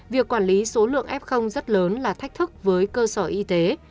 việc quản lý số lượng f rất lớn là thách thức với cơ sở y tế